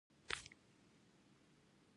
ایا ستاسو ګروي به پوره نه وي؟